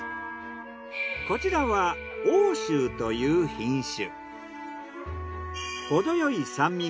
こちらは王秋という品種。